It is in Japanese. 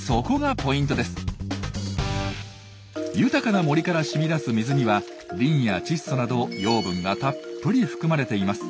豊かな森からしみ出す水にはリンや窒素など養分がたっぷり含まれています。